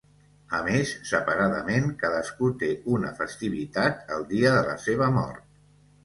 A més, separadament, cadascú té una festivitat el dia de la seva mort.